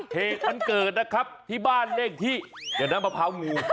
เทครับบ้านเลขที่เดี๋ยวนะมะพร้าวงู